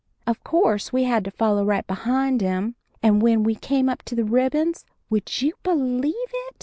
Of course we had to follow right along behind 'em, and when we came up to the ribbons would you believe it?